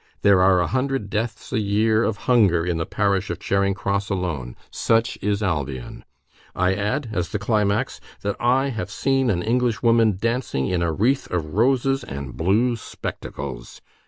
There are a hundred deaths a year of hunger in the parish of Charing Cross alone. Such is Albion. I add, as the climax, that I have seen an Englishwoman dancing in a wreath of roses and blue spectacles.